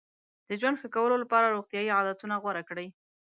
د ژوند ښه کولو لپاره روغتیایي عادتونه غوره کړئ.